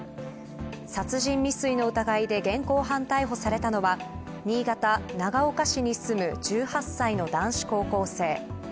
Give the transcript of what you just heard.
殺人未遂の疑いで現行犯逮捕されたのは新潟・長岡市に住む１８歳の男子高校生。